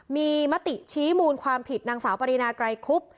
มีมติชี้มูลความผิดนางสาวปรินาไกรคุบ